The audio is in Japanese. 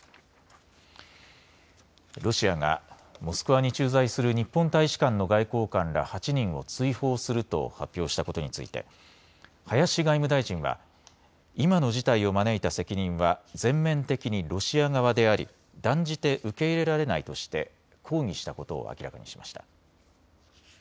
ロシアがモスクワに駐在する日本大使館の外交官ら８人を追放すると発表したことについて林外務大臣は今の事態を招いた責任は全面的にロシア側であり断じて受け入れられないとして抗議したことを明らかにしました。